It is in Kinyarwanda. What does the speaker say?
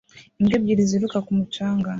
Imbwa ebyiri ziruka ku mucanga